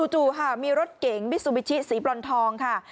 จู่มีรถเก๋งบิซุบิชิสีบร้อนทองครับ